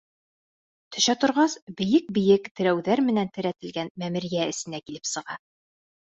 Төшә торғас, бейек-бейек терәүҙәр менән терәтелгән мәмерйә эсенә килеп сыға.